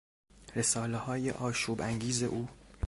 رسالههای آشوب انگیز او